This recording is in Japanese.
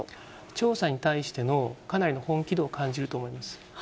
調査に対してのかなりの本気度を感じると思います。